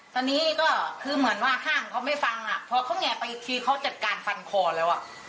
ตอนนี้ก็คือเหมือนว่าห้างเขาไม่ฟังอ่ะพอเขาแงะไปอีกทีเขาจัดการฟันคอแล้วอ่ะ